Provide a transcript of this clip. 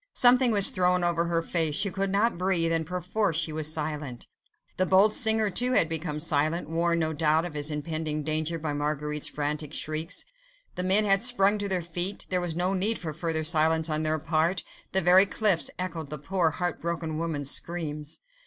Something was thrown over her face; she could not breathe, and perforce she was silent. The bold singer, too, had become silent, warned, no doubt, of his impending danger by Marguerite's frantic shrieks. The men had sprung to their feet, there was no need for further silence on their part; the very cliffs echoed the poor, heart broken woman's screams.